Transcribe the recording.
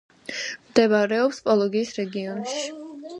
მდებარეობს პოლოგის რეგიონში.